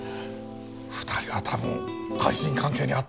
２人は多分愛人関係にあったんでしょうね。